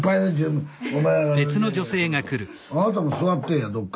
あなたも座ってえやどっか。